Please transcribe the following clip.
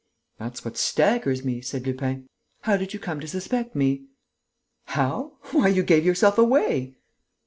"That's what staggers me," said Lupin. "How did you come to suspect me?" "How? Why, you gave yourself away!"